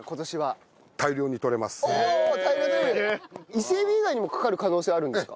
伊勢エビ以外にもかかる可能性あるんですか？